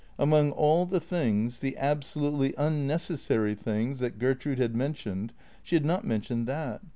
Among all the things, the absolutely unnecessary things, that Gertrude had mentioned, she had not mentioned that.